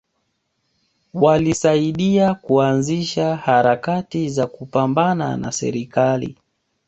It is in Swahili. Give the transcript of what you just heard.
Walisaidia kuanzisha harakati za kupambana na serikali